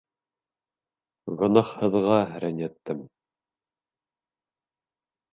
Гонаһһыҙға рәнйеттем.